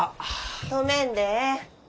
止めんでええ。